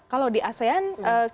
kalau di asean